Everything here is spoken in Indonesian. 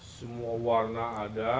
semua warna ada